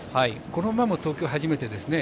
この馬も東京初めてですね。